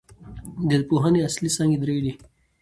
د ادبپوهني اصلي څانګي درې دي.